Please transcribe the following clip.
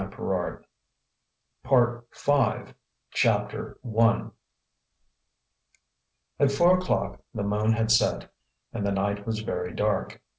PART FIVE CHAPTER I At four o'clock the moon had set, and the night was very dark.